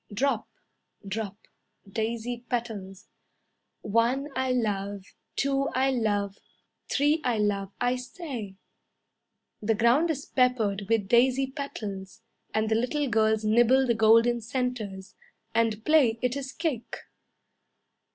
Drop, Drop, Daisy petals. "One I love, Two I love, Three I love I say..." The ground is peppered with daisy petals, And the little girls nibble the golden centres, And play it is cake.